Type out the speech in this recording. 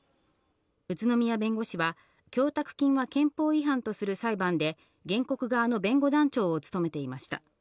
宇都宮弁護士は、供託金は憲法違反とする裁判で、原告側の弁護団長を務めていました。